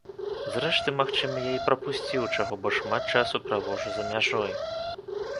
Зрэшты, магчыма, я і прапусціў чаго, бо шмат часу праводжу за мяжой.